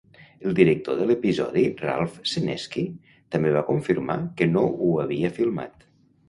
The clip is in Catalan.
El director de l'episodi Ralph Senesky també va confirmar que no ho havia filmat.